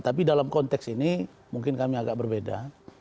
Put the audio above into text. tapi dalam konteks ini mungkin kami agak berbeda